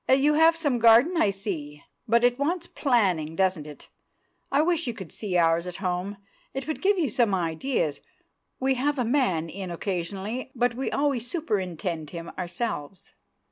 "You have some garden, I see, but it wants planning, doesn't it? I wish you could see ours at home; it would give you some ideas. We have a man in occasionally; but we always superintend him ourselves.